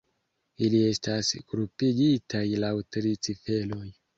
Ili estas grupigitaj laŭ tri ciferoj.